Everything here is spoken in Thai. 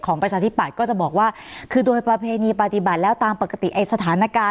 ประชาธิปัตย์ก็จะบอกว่าคือโดยประเพณีปฏิบัติแล้วตามปกติไอ้สถานการณ์